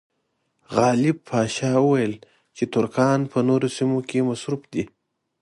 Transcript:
غالب پاشا وویل چې ترکان په نورو سیمو کې مصروف دي.